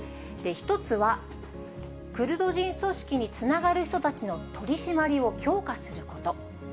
１つは、クルド人組織につながる人たちの取締りを強化すること。